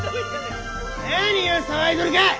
何を騒いどるか！